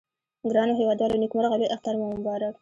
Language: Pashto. ګرانو هیوادوالو نیکمرغه لوي اختر مو مبارک